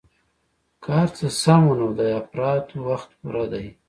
که هرڅه سم وو نو د اپراتو وخت پوره ديه.